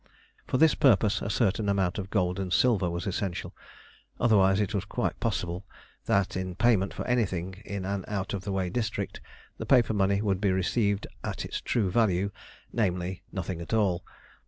For this purpose a certain amount of gold and silver was essential: otherwise it was quite possible that, in payment for anything in an out of the way district, the paper money would be received at its true value, namely, nothing at all.